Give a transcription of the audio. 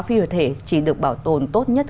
phi vật thể chỉ được bảo tồn tốt nhất